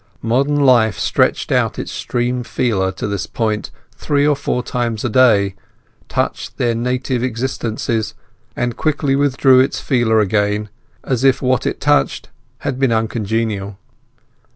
Modern life stretched out its steam feeler to this point three or four times a day, touched the native existences, and quickly withdrew its feeler again, as if what it touched had been uncongenial.